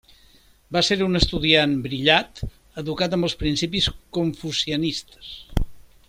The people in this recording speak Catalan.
Va ser un estudiant brillat, educat en els principis confucianistes.